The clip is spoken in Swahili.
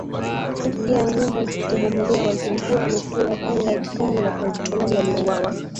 upya nyumba zilizobomolewa waziri huyo amepewa pia jukumu la kuwazika wale wote waliouwawa